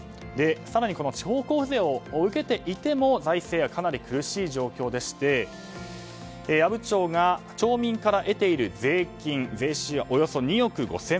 更に地方交付税を受けていても財政がかなり苦しい状況でして阿武町が町民から得ている税金、税収はおよそ２億５０００万円。